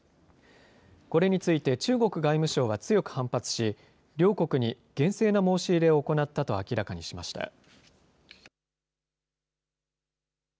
これについて中国外務省は強く反発し、両国に厳正な申し入れを行ったと明らかにしました。